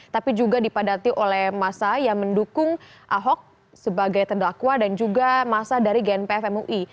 tapi juga dipadati oleh masa yang mendukung ahok sebagai terdakwa dan juga masa dari gnpf mui